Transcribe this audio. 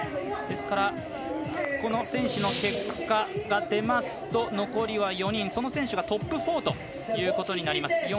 ですからこの選手の結果が出ますと残りは４人、その選手がトップ４となります。